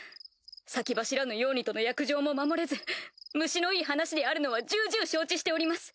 先走らぬようにとの約定も守れず虫のいい話であるのは重々承知しております。